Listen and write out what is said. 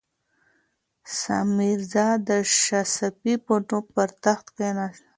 سام میرزا د شاه صفي په نوم پر تخت کښېناست.